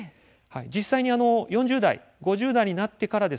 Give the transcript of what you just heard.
実際に４０代５０代になってからですね